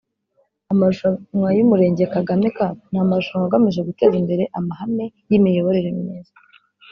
Amarushanwa y’Umurenge Kagame Cup ni amarushanwa agamije guteza imbere amahame y’imiyoborere myiza